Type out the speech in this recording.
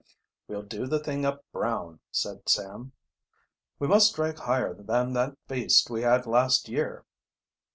"We'll do the thing up brown," said Sam. "We must strike higher than that feast we had, last year."